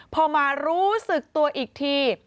พอมารู้สึกตัวอีกที